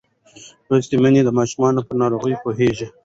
لوستې میندې د ماشوم پر ناروغۍ پوهېږي.